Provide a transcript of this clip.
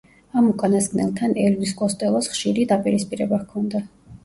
ამ უკანასკნელთან ელვის კოსტელოს ხშირი დაპირისპირება ჰქონდა.